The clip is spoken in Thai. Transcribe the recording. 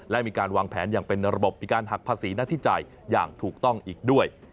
และมีการวางแผนอย่างเป็นระบบมีการหักภาษีหน้าที่จ่ายอย่างถูกต้องอีกด้วย